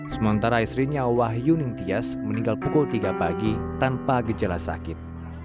sementara istrinya wahyu ningtyas meninggal pukul tiga pagi tanpa gejala sakit